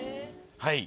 はい。